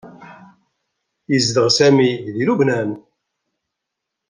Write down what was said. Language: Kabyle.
Yezdeɣ Sami deg Lubnan.